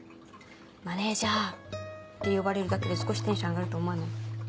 「マネジャー」って呼ばれるだけで少しテンション上がると思わない？